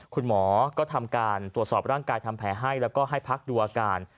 คุณหมอก็ทำการตรวจสอบร่างกายทำแผลให้แล้วก็ให้พักดูอาการ